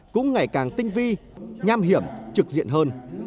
cũng ngày càng tinh vi nham hiểm trực diện hơn